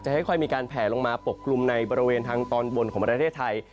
ค่อยมีการแผลลงมาปกกลุ่มในบริเวณทางตอนบนของประเทศไทย